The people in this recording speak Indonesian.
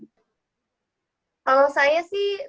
ya awal awalnya saya ikut di sanggarnya di bumi arena